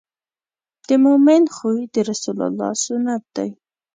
د مؤمن خوی د رسول الله سنت دی.